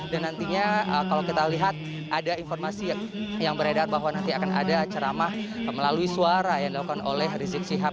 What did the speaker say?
dan nantinya kalau kita lihat ada informasi yang beredar bahwa nanti akan ada ceramah melalui suara yang dilakukan oleh rizik sihab